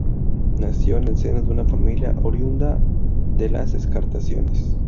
Nació en el seno de una familia oriunda de Las Encartaciones.